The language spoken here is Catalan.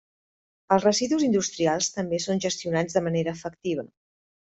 Els residus industrials també són gestionats de manera efectiva.